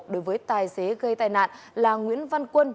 đối với tài xế gây tai nạn là nguyễn văn quân